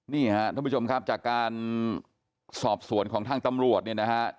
นี่ฮะท่านผู้ชมครับจากการสอบสวนของทางตำรวจเนี่ยนะฮะ